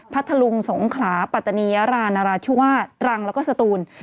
ทะลุงสงขลาปัตตานียารานราธิวาสตรังแล้วก็สตูน